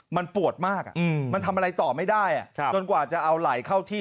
มันปวดมากมันทำอะไรต่อไม่ได้จนกว่าจะเอาไหล่เข้าที่